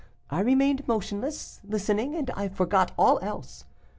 I remained motionless, listening, and I forgot all else.